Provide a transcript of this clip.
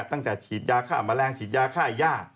ตั้งแต่ฉีดยาฆ่าแมลงฉีดยาค่าย่า